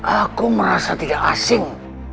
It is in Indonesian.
aku merasa tidak asing